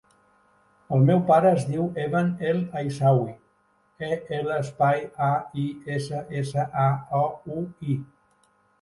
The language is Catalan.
El meu pare es diu Evan El Aissaoui: e, ela, espai, a, i, essa, essa, a, o, u, i.